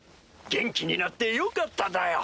元気になってよかっただよ。